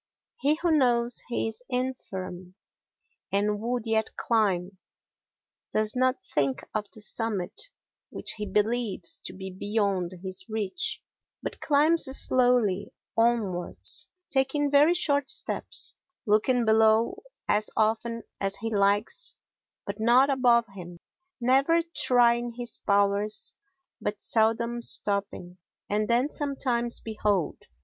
He who knows he is infirm, and would yet climb, does not think of the summit which he believes to be beyond his reach but climbs slowly onwards, taking very short steps, looking below as often as he likes but not above him, never trying his powers but seldom stopping, and then, sometimes, behold!